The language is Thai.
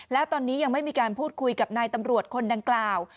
แล้วตอนนี้ยังไม่มีการพูดคุยกับนายตำรวจคนดังกล่าว